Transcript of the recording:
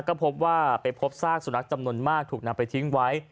ก็พบว่าไปพบซากสุนัขจำนวนมากถูกนำไปทิ้งไว้